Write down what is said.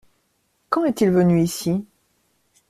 Quand est-il venu ici ?